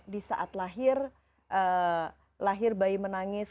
di saat lahir lahir bayi menangis